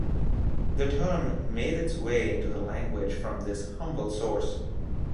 The term made its way into the language from this humble source.